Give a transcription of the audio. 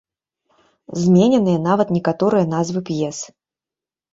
Змененыя нават некаторыя назвы п'ес.